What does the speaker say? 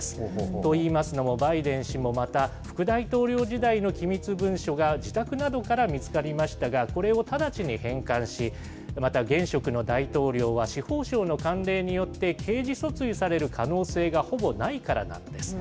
といいますのも、バイデン氏もまた、副大統領時代の機密文書が自宅などから見つかりましたが、これを直ちに返還し、また現職の大統領は司法省の慣例によって、刑事訴追される可能性がほぼないからなんです。